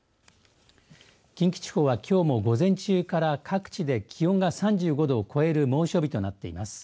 近畿地方は、きょうも午前中から各地で気温が３５度を超える猛暑日となっています。